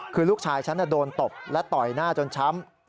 คือลูกชายฉันโดนตบและต่อยหน้าจนช้ำ